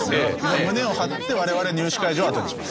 胸を張って我々入試会場を後にします。